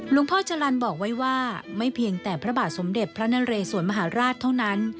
พ่อจรรย์บอกไว้ว่าไม่เพียงแต่พระบาทสมเด็จพระนเรสวนมหาราชเท่านั้น